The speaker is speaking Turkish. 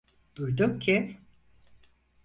Duydum ki…